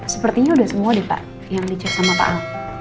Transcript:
sepertinya udah semua deh pak yang dicek sama pak ahok